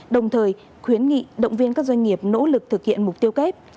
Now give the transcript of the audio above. đồng thời khuyến nghị động viên các doanh nghiệp nỗ lực thực hiện mục tiêu kép